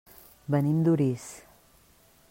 Venim d'Orís.